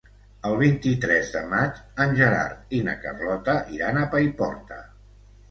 El vint-i-tres de maig en Gerard i na Carlota iran a Paiporta.